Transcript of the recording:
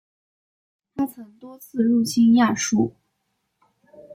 他曾多次入侵亚述。